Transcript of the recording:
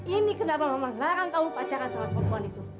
ini kenapa memang larang kamu pacaran sama perempuan itu